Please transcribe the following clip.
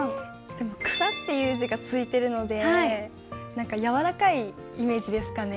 でも「草」っていう字がついてるので何かやわらかいイメージですかね。